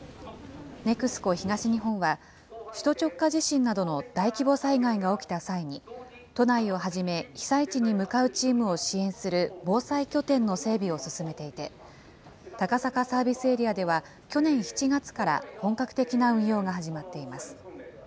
ＮＥＸＣＯ東日本は、首都直下地震などの大規模災害が起きた際に、都内をはじめ被災地に向かうチームを支援する、防災拠点の整備を進めていて、高坂サービスエリアでは去年７月から本格的な運用が始まっています。